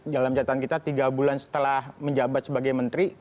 dalam catatan kita tiga bulan setelah menjabat sebagai menteri